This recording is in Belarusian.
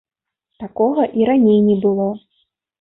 Такога і раней не было.